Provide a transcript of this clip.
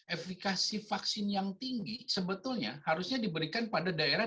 efikasi vaksin yang tinggi sebetulnya harusnya diberikan pada daerah